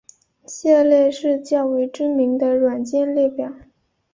下列是较为知名的软件列表。